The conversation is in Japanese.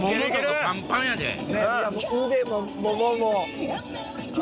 腕もももも。